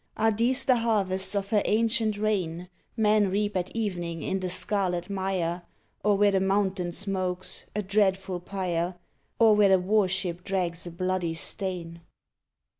Are these the harvests of her ancient rain Men reap at evening in the scarlet mire, Or where the mountain smokes, a dreadful pyre, Or where the warship drags a bloody stain?